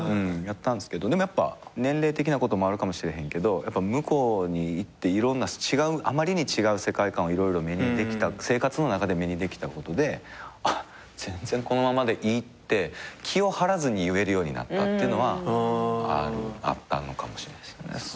でもやっぱ年齢的なこともあるかもしれへんけど向こうに行ってあまりに違う世界観を色々生活の中で目にできたことであっ全然このままでいいって気を張らずに言えるようになったっていうのはあったのかもしれないです。